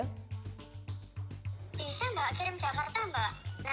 bisa nggak kirim jakarta mbak